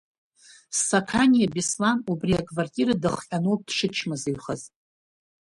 Сақаниа Беслан убри аквартира дахҟьаны ауп дшычмазаҩхаз.